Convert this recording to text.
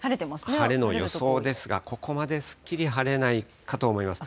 晴れの予想ですが、ここまですっきり晴れないかと思います。